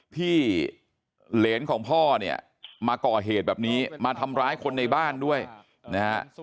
ที่เหรนของพ่อเนี่ยมาก่อเหตุแบบนี้มาทำร้ายคนในบ้านด้วยนะฮะ